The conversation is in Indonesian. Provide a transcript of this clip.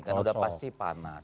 karena sudah pasti panas